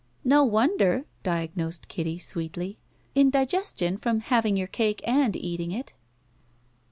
"No wonder," diagnosed Kitty, sweetly. "Indi gestion from having your cake and eating it."